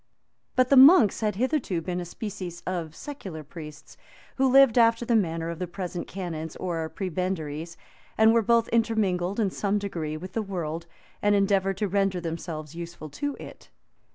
But the monks had hitherto been a species of secular priests, who lived after the manner of the present canons or prebendaries, and were both intermingled, in some degree, with the world, and endeavored to render themselves useful to it.